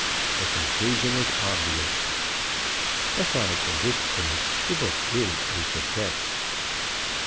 The conclusion is obvious. Aside from this point the book is a success.